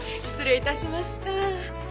失礼致しました。